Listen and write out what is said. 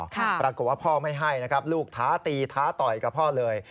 ปรากฏว่าพ่อไม่ให้นะครับลูกท้าตีท้าต่อยกับพ่อเลย